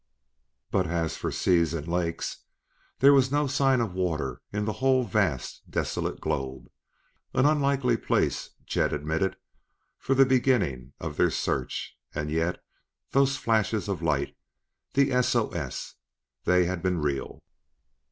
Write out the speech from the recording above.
But as for seas and lakes, there was no sign of water in the whole, vast, desolate globe. An unlikely place, Chet admitted, for the beginning of their search, and yet those flashes of light! the S O S! They had been real!